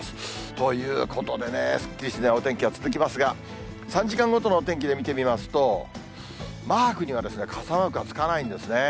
ということでね、すっきりしないお天気が続きますが、３時間ごとのお天気で見てみますと、マークには傘マークはつかないんですね。